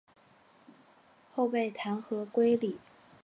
后被弹劾归里。